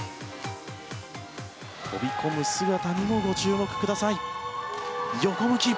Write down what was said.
飛び込む姿にもご注目ください。